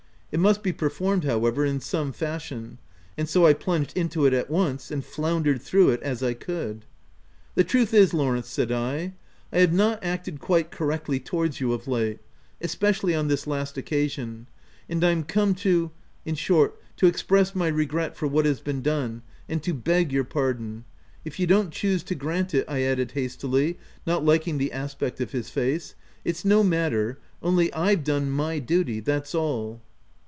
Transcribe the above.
It must be performed, however, in some fashion : and so I plunged into it at once, and floundered through it as I could. " The truth is, Lawrence," said I, " I have not acted quite correctly towards you of late — OF WILDFELL HALL. 161 especially on this last occasion ; and Pm come to — in short, to express my regret for what has been done, and to beg your pardon. — If you don't choose to grant it/' I added has tily, not liking the aspect of his face. " It's no matter — only, Vve done my duty — that's all."